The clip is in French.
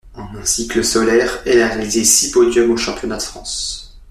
En un cycle solaire, elle a réalisé six podiums aux championnats de France.